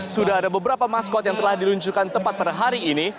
sudah ada beberapa maskot yang telah diluncurkan tepat pada hari ini